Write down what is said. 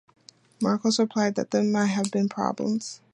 Marcos replied that they might have problems.